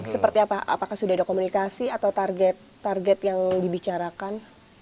seperti apa apakah sudah ada komunikasi atau target target yang dibicarakan